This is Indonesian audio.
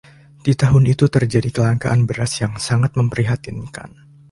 Di tahun itu terjadi kelangkaan beras yang sangat memprihatinkan.